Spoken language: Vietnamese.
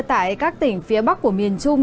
tại các tỉnh phía bắc của miền trung